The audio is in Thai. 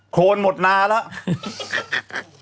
โคนหมดนาแล้ว